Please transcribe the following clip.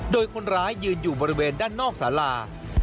โดยคนร้ายยืนอยู่บริเวณด้านนอกสารา